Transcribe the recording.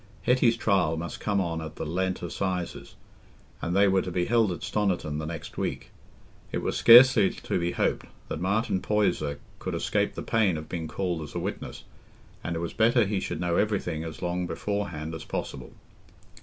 Hetty's trial must come on at the Lent assizes, and they were to be held at Stoniton the next week. It was scarcely to be hoped that Martin Poyser could escape the pain of being called as a witness, and it was better he should know everything as long beforehand as possible.